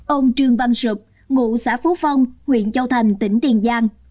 ông trương văn sụp ngụ xã phú phong huyện châu thành tỉnh tiền giang